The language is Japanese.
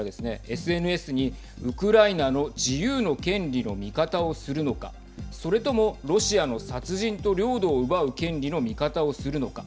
ＳＮＳにウクライナの自由の権利の味方をするのかそれともロシアの殺人と領土を奪う権利の味方をするのか。